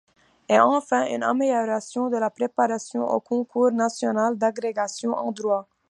Et enfin, une amélioration de la préparation au concours national d'agrégation en Droit.